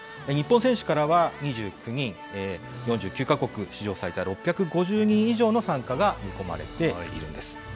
日本選手からは２９人、４９か国、史上最多６５０人以上の参加が見込まれているんです。